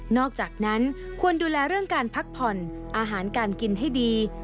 อกจากนั้นควรดูแลเรื่องการพักผ่อนอาหารการกินให้ดี